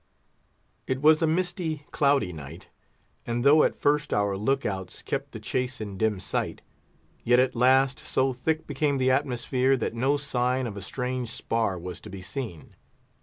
It was a misty, cloudy night; and though at first our look outs kept the chase in dim sight, yet at last so thick became the atmosphere, that no sign of a strange spar was to be seen.